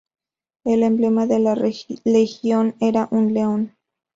El emblema de la legión era un león.